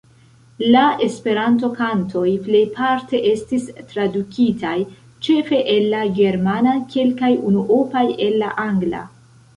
La Esperanto-kantoj plejparte estis tradukitaj; ĉefe el la germana, kelkaj unuopaj el la angla.